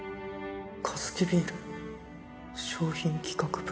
カヅキビール商品企画部。